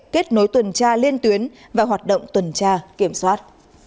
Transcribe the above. kết nối tuần tra liên tuyến và hoạt động tuần tra kiểm soát